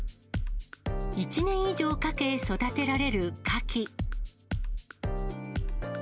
１年以上かけ、育てられるカキ。